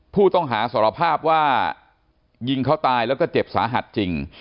ผู้ต้องหาสารภาพว่ายิงเขาตายแล้วก็เจ็บสาหัสจริง